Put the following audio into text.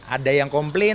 ada yang komplain